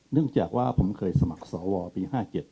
เนื่องจากว่าผมเคยสมัครสวปี๕๗